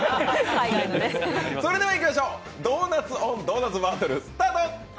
それでは、いきましょうドーナツ・オン・ドーナツバトルスタート！